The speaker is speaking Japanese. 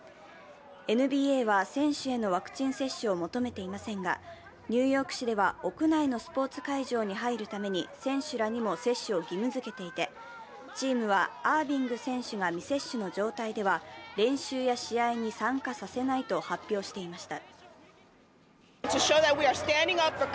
ＮＢＡは選手へのワクチン接種を求めていませんが、ニューヨーク市では屋内のスポーツ会場に入るために選手らにも接種を義務づけていてチームは、アービング選手が未接種の状態では練習や試合に参加させないと発表していました。